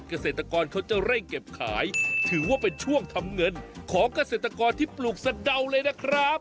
เกษตรกรเขาจะเร่งเก็บขายถือว่าเป็นช่วงทำเงินของเกษตรกรที่ปลูกสะเดาเลยนะครับ